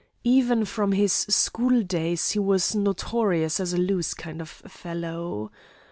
Even from his school days he was notorious as a loose kind of fellow.